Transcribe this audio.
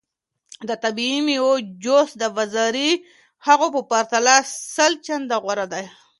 د طبیعي میوو جوس د بازاري هغو په پرتله سل چنده غوره دی.